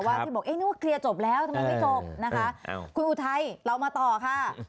ว่านึกว่าเคลียร์จบแล้วทำไมไม่จบคุณอุทัยเรามาต่อค่ะ